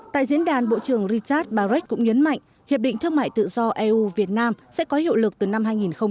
tại diễn đàn bộ trưởng richard barrett cũng nhấn mạnh hiệp định thương mại tự do eu việt nam sẽ có hiệu lực từ năm hai nghìn hai mươi